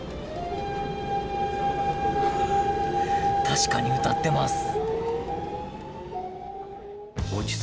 確かに、歌っています！